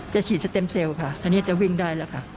ฉีดสเต็มเซลล์ค่ะอันนี้จะวิ่งได้แล้วค่ะ